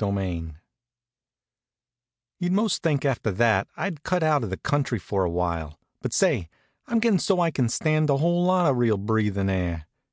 CHAPTER XII You'd most think after that I'd have cut out the country for a while; but say, I'm gettin' so I can stand a whole lot of real breathin' air.